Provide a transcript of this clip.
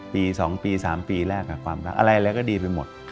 ปี๒ปี๓ปีแรกความรักอะไรอะไรก็ดีไปหมด